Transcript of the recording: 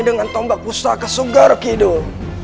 dengan tombak pustaka sugar kidul